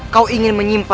kau ingin menyimpai